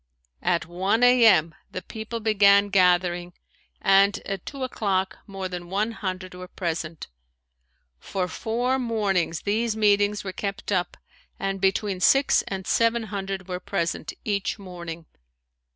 At one a. m. the people began gathering and at two o'clock more than one hundred were present. For four mornings these meetings were kept up and between six and seven hundred were present each morning.